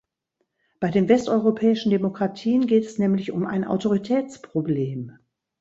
Bei den westeuropäischen Demokratien geht es nämlich um ein Autoritätsproblem.